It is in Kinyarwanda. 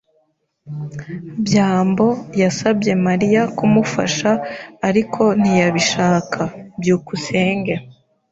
byambo yasabye Mariya kumufasha, ariko ntiyabishaka. byukusenge